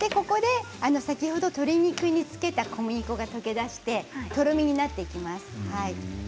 先ほど鶏肉につけた小麦粉が溶け出してとろみになっていきます。